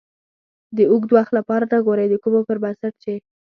د اوږد وخت لپاره نه ګورئ د کومو پر بنسټ چې